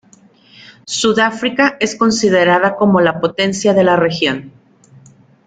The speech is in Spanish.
Sudáfrica es considerada como la potencia de la región.